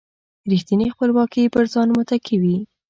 رېښتینې خپلواکي پر ځان متکي وي.